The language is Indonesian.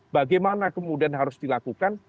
bagaimana kemudian harus dilakukan